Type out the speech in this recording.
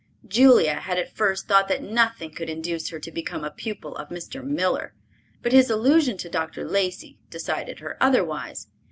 Julia had at first thought that nothing could induce her to become a pupil of Mr. Miller, but his allusion to Dr. Lacey decided her otherwise.